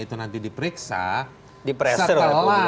itu nanti diperiksa di pressure